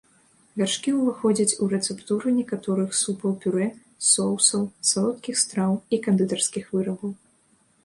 Вяршкі ўваходзяць у рэцэптуру некаторых супаў-пюрэ, соусаў, салодкіх страў і кандытарскіх вырабаў.